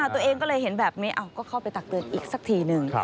ตัวเองก็เลยเห็นแบบนี้ก็เข้าไปตักเตือนอีกสักทีหนึ่ง